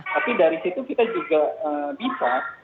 tapi dari situ kita juga bisa